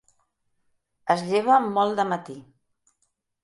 Es lleva molt de matí.